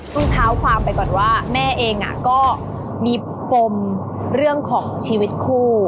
ต้องเท้าความไปก่อนว่าแม่เองก็มีปมเรื่องของชีวิตคู่